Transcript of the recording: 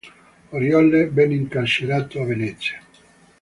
Orioli venne incarcerato a Venezia.